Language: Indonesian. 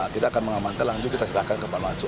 kita akan mengamankan lanjut kita silakan kembali masuk